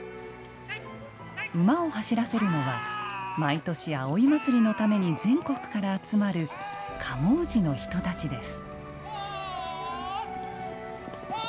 馬を走らせるのは毎年、葵祭のために全国から集まる賀茂氏の人たちです。